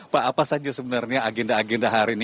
pak apa saja sebenarnya agenda agenda hari ini